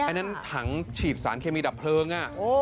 อันนั้นถังฉีดสารเคมีดับเพลิง